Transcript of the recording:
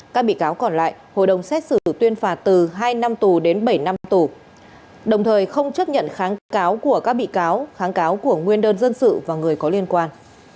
các bị cáo còn lại hội đồng xét xử tuyên phạt từ hai năm tù đến bảy năm tù đồng thời không chấp nhận kháng cáo của các bị cáo kháng cáo của nguyên đơn dân sự và người có liên quan